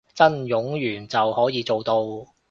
真冗員就可以做到